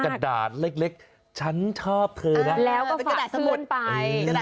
กระดาษเล็กฉันชอบเธอนะแล้วก็ฝากเพื่อนไป